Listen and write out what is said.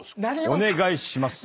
お願いします。